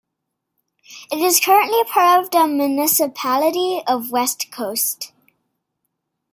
It is currently part of the Municipality of West Coast.